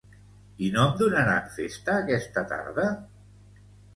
I no em donaran festa aquesta tarda?